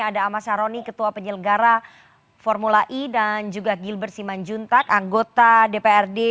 ada amasya roni ketua penyelenggara formula i dan juga gilbert simanjuntat anggota dprd